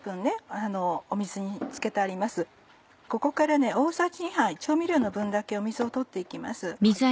ここから大さじ２杯調味料の分だけ水を取って行きます。